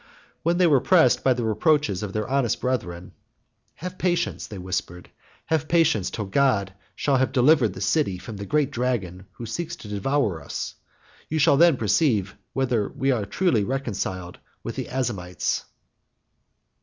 When they were pressed by the reproaches of their honest brethren, "Have patience," they whispered, "have patience till God shall have delivered the city from the great dragon who seeks to devour us. You shall then perceive whether we are truly reconciled with the Azymites."